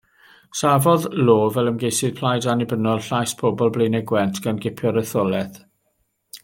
Safodd Law fel ymgeisydd plaid Annibynnol Llais Pobl Blaenau Gwent gan gipio'r etholaeth.